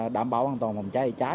đảm bảo an toàn phòng cháy cháy